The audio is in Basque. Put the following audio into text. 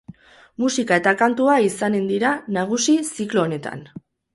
Musika eta kantua izanen dira nagusi ziklo honetan.